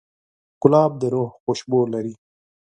ګلاب د روح خوشبو لري.